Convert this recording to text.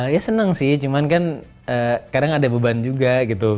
ya senang sih cuman kan kadang ada beban juga gitu